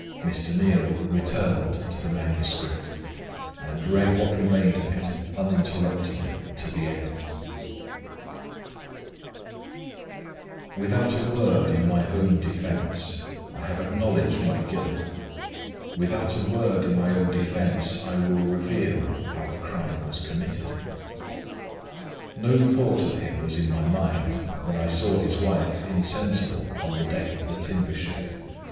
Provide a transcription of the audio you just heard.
Mr. Neal returned to the manuscript, and read what remained of it uninterruptedly to the end: "Without a word in my own defense, I have acknowledged my guilt. Without a word in my own defense, I will reveal how the crime was committed. "No thought of him was in my mind, when I saw his wife insensible on the deck of the timber ship.